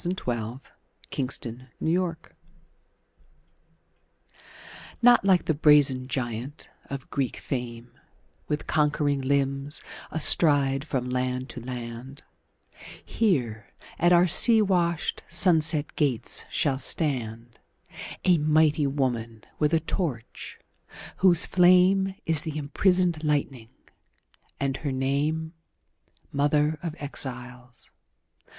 The New Colossus Emma Lazarus NOT like the brazen giant of Greek fame, With conquering limbs astride from land to land; Here at our sea washed, sunset gates shall standA mighty woman with a torch, whose flameIs the imprisoned lightning, and her nameMother of Exiles.